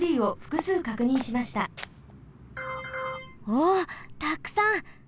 おったくさん。